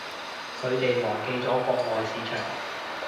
佢哋忘記咗國外市場